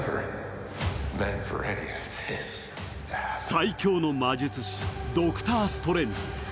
最強の魔術師、ドクター・ストレンジ。